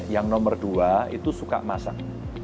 yang nomor dua itu suka masak